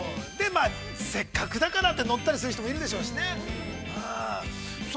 ◆せっかくだからって乗ったりする人もいるだろうしね。